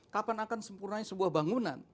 kapan akan sempurnanya sebuah bangunan